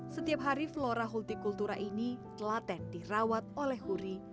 setiap hari flora hultikultura ini telaten dirawat oleh huri